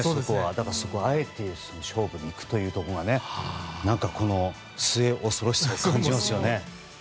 だから、あえて勝負に行くというところがね末恐ろしさを感じますよね。